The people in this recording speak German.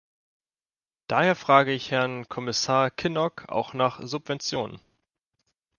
Daher frage ich Herrn Kommissar Kinnock auch nach Subventionen.